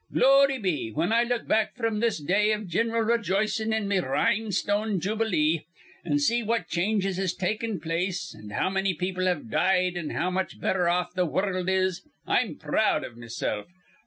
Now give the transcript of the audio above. "Glory be, whin I look back fr'm this day iv gin'ral rejoicin' in me rhinestone jubilee, an' see what changes has taken place an' how manny people have died an' how much betther off th' wurruld is, I'm proud iv mesilf.